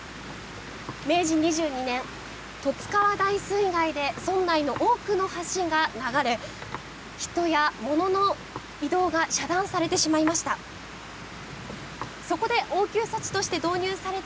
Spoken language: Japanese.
明治２２年、十津川大水害で村内の多くの橋が流れ人やモノの移動が遮断されてしまいました。